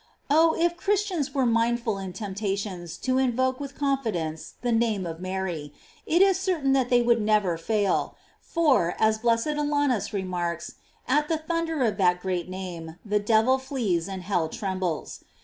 f Oh, if Christians were mindful in temptations to invoke with confidence the name of Mary, it is certain that they would never fall ; for, as blessed Alanus remarks, at the thunder of that great name, the devil flees and hell trembles.